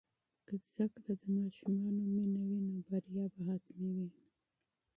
که زده کړه د ماشومانو مینه وي، نو بریا به حتمي وي.